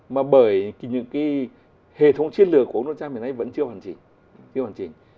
mà bởi những cái hệ thống chiến lược của ông donald trump hiện nay vẫn chưa hoàn chỉnh